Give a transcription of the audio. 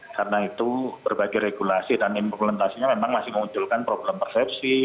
karena itu berbagai regulasi dan implementasinya memang masih mengunculkan problem persepsi